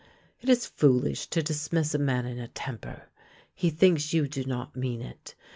It is foolish to dismiss a man in a temper. He thinks you do not mean it.